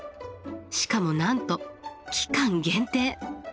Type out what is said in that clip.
しかもなんと期間限定！